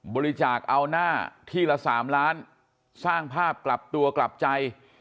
บริจาคเอาหน้าที่ละ๓ล้านสร้างภาพกลับตัวกลับใจ